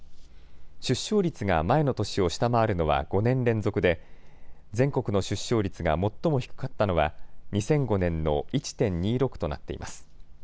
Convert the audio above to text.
出生率が前の年を下回るのは５年連続で全国の出生率が最も低かったのは２００５年の１．２６となっています。